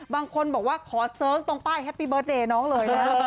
บางคนบอกว่าขอเสิร์งตรงป้ายแฮปปี้เบิร์ตเดย์น้องเลยนะ